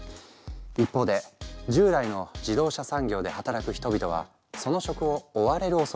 一方で従来の自動車産業で働く人々はその職を追われるおそれがある。